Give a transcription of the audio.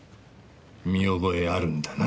見覚えあるんだな？